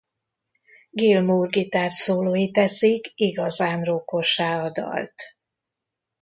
Gilmour gitárszólói teszik igazán rockossá a dalt.